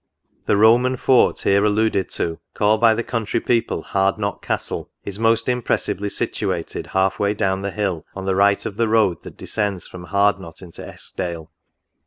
— The Roman Fort here alluded to, called by the country people ^^ Hardknot Castle^'' is most impressively situated half way down the hill on the right of the road that descends from Hardknot into Eskdale.